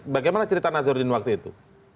bagaimana cerita nazarudin waktu itu